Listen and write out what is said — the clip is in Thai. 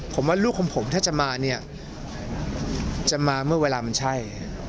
ผมว่าลูกของผมถ้าจะมาเนี่ยจะมาเมื่อเวลามันใช่